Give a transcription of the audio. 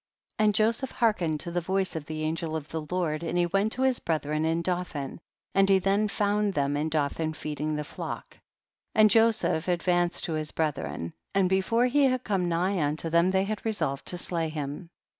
23. And Joseph hearkened to the voice of the angel of the Lord, and he went to his brethren in Dothan and he found them in Dothan feeding the flock. 24. And Joseph advanced to his brethren, and before he had come nigh unto them, they had resolved to slay him.